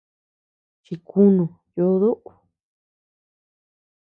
Chikunu yuduu.